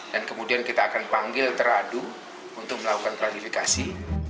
dan kemudian kita akan panggil teradu untuk melakukan klarifikasi